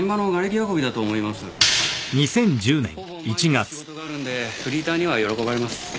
ほぼ毎日仕事があるんでフリーターには喜ばれます。